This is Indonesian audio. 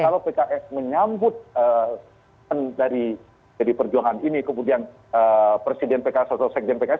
kalau pks menyambut dari perjuangan ini kemudian presiden pks atau sekjen pks